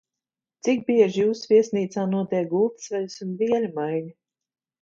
Cik bieži jūsu viesnīcā notiek gultas veļas un dvieļu maiņa?